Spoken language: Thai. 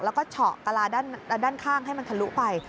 แล้วก็เฉาะกะลาด้านข้างให้มันทะลุไป